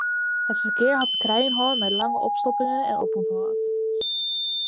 It ferkear hat te krijen hân mei lange opstoppingen en opûnthâld.